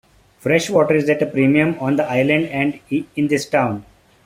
Fresh water is at a premium on the island and in this town.